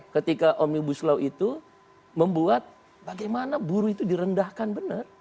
ketika om ibu slow itu membuat bagaimana buruh itu direndahkan benar